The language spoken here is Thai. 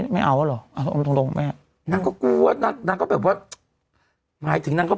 ปุ๊บปุ๊บปุ๊บปุ๊บ